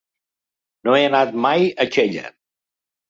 No he anat mai a Xella.